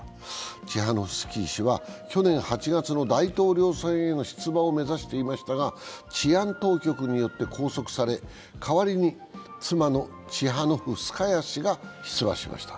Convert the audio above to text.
チハノフスキー氏は去年８月の大統領選への出馬を目指していましたが治安当局によって拘束され代わりに妻のチハノスカヤ氏が出馬しました。